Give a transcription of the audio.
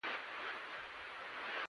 • ته د رڼا، مینې، او امید نښه یې.